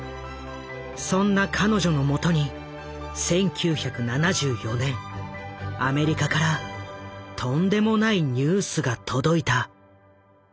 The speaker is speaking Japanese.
そんな彼女のもとに１９７４年アメリカからとんでもないニュースが届いた。